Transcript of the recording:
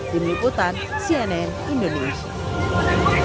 tim liputan cnn indonesia